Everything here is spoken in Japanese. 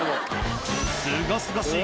すがすがしい